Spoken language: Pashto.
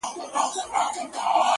خاونده خدايه ستا د نور له دې جماله وځم_